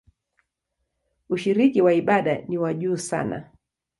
Ushiriki wa ibada ni wa juu sana.